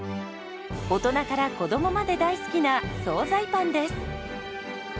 大人から子どもまで大好きな総菜パンです。